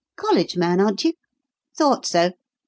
College man, aren't you? Thought so.